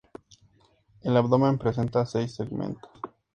El abdomen presenta seis segmentos.